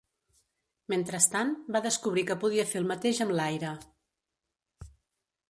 Mentrestant, va descobrir que podia fer el mateix amb l'aire.